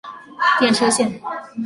电车线。